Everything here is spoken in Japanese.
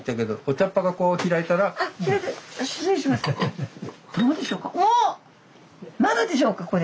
どうでしょうか？